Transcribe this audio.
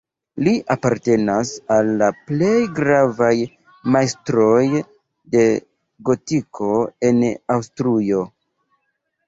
Li apartenas al la plej gravaj majstroj de gotiko en Aŭstrujo.